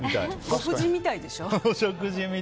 ご婦人みたいでしょ。